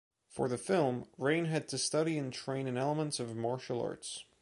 For the film, Rain had to study and train in elements of martial arts.